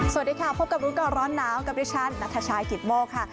สวัสดีค่ะพบกับรู้ก่อนร้อนหนาวกับดิฉันนัทชายกิตโมกค่ะ